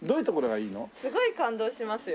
すごい感動しますよ。